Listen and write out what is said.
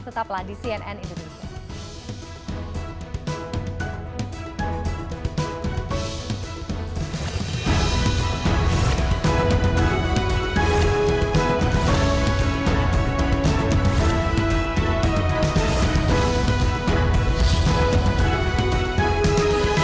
tetaplah di cnn indonesia